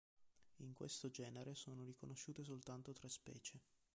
In questo genere sono riconosciute soltanto tre specie.